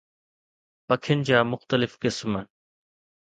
پکين جا مختلف قسم